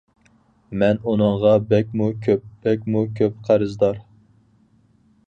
مەن ئۇنىڭغا بەكمۇ كۆپ، بەكمۇ كۆپ قەرزدار.